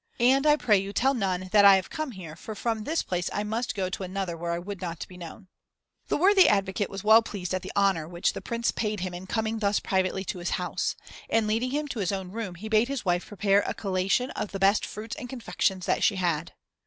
And, I pray you, tell none that I have come here, for from this place I must go to another where I would not be known." The worthy advocate was well pleased at the honour which the Prince paid him in coming thus privately to his house, and, leading him to his own room, he bade his wife prepare a collation of the best fruits and confections that she had.